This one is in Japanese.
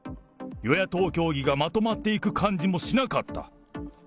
与野党協議がまとまっていく感じもしなかった。